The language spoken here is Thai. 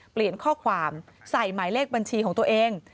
เปลี่ยนข้อความใส่หมายเลขบัญชีของตัวเอง